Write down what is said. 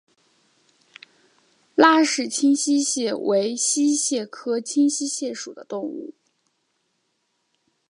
拉氏清溪蟹为溪蟹科清溪蟹属的动物。